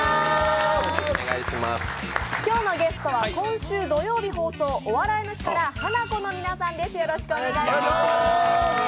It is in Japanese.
今日のゲストは今週土曜日放送「お笑いの日」からハナコさんです。